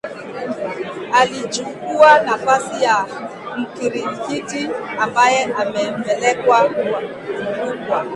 alikichukua nafasi ya Mkirikiti ambaye amepelekwa Rukwa